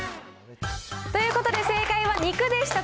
ということで、正解は肉でした。